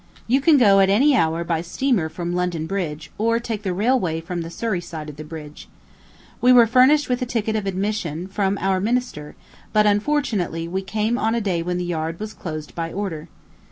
You can go at any hour by steamer from London Bridge, or take the railway from the Surrey side of the bridge. We were furnished with a ticket of admission from our minister; but unfortunately, we came on a day when the yard was closed by order.